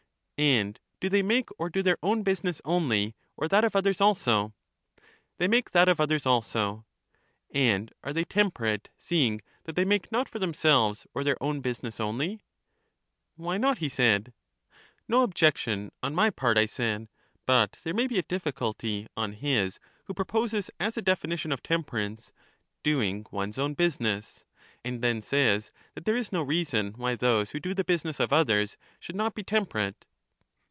And do they make or do their own business only, or that of others also? They make that of others also. And are they temperate, seeing that they make not for themselves or their own business only? Why not? he said. No objection on my part, I said, but there may be a difiiculty on his who proposes as a definition of tem perance, " doing one's own business," and then says that there is no reason why those who do the business of others should not be temperate.